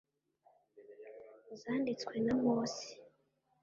zanditswe na mose